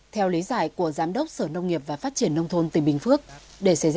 thì là không có nhà kho không có người quản lý